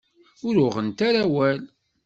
Ur uɣent ara awal.